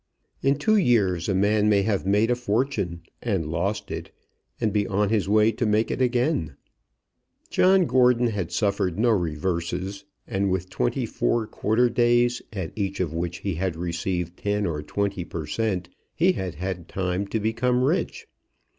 In two years a man may have made a fortune and lost it, and be on his way to make it again. John Gordon had suffered no reverses, and with twenty four quarter days, at each of which he had received ten or twenty per cent, he had had time to become rich.